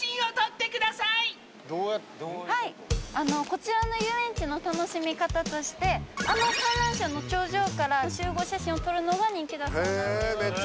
こちらの遊園地の楽しみ方としてあの観覧車の頂上から集合写真を撮るのが人気だそうなんです。